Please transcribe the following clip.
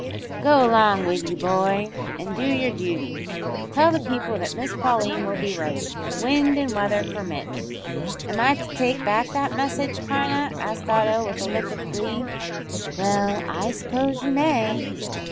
"Go along wid ye, boy, an' do yer dooty. Tell the people that Miss Pauline will be ready wind an' weather permittin'." "Am I to take back that message, Pina?" asked Otto, with a look of glee. "Well, I suppose you may."